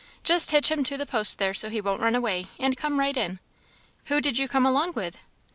just hitch him to the post there, so he won't run away, and come right in. Who did you come along with?"